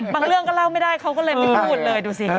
เรื่องก็เล่าไม่ได้เขาก็เลยไม่พูดเลยดูสิ